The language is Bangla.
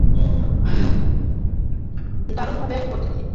দারুণভাবে করছো তুমি।